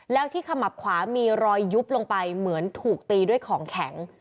แล้วที่ขมับขวามีรอยยุบลงไปเหมือนถูกตีด้วยของแข็ง